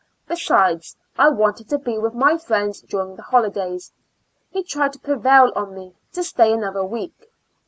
Besides, I wanted to be with my friends during the holidays. He tried to prevail on me to stay another week.